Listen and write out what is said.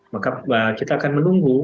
maka kita akan menunggu